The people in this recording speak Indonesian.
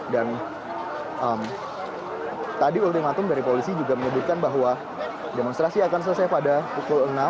dan tadi ultimatum dari polisi juga menyebutkan bahwa demonstrasi akan selesai pada pukul enam